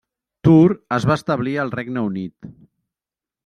Tur es va establir al Regne Unit.